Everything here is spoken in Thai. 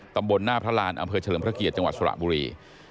ตำบลหน้าพระรานอำเภอเฉลิมพระเกียรติจังหวัดสระบุรี